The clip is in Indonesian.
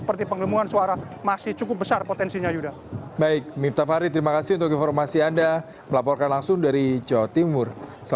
mereka hanya berkonsentrasi untuk menjaga keamanan di jawa timur